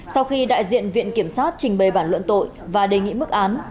sau khi đại diện viện kiểm sát trình bày bản luận tội và đề nghị mức án